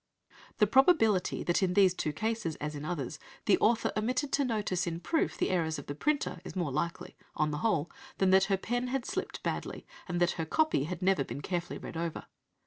The probability that in these two cases, as in others, the author omitted to notice in proof the errors of the printer is more likely, on the whole, than that her pen had slipped badly, and that her "copy" had never been carefully read over.